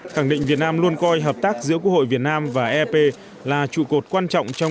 khẳng định việt nam luôn coi hợp tác giữa quốc hội việt nam và ep là trụ cột quan trọng trong